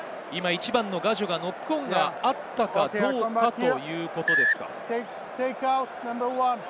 １番のガジョがノックオンがあったかどうかということですか？